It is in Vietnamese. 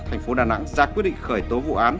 thành phố đà nẵng ra quyết định khởi tố vụ án